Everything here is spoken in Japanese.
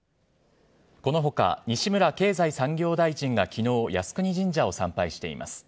このほか、西村経済産業大臣がきのう、靖国神社を参拝しています。